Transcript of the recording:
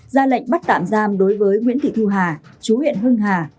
ra lệnh bắt tạm giam đối với nguyễn thị thu hà chú huyện hưng hà